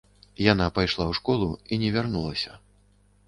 Яна пайшла ў школу і не вярнулася.